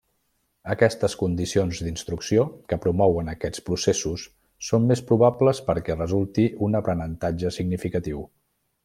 Aquestes condicions d'instrucció que promouen aquests processos són més probables perquè resulti un aprenentatge significatiu.